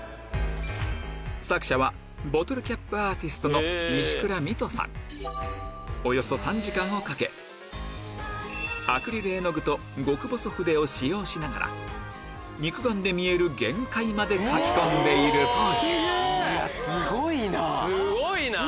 作者はおよそ３時間をかけアクリル絵の具と極細筆を使用しながら肉眼で見える限界まで描き込んでいるというすげぇ！